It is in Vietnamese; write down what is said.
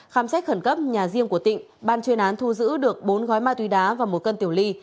khám xét khẩn cấp nhà riêng của tịnh ban chuyên án thu giữ được bốn gói ma túy đá và một cân tiểu ly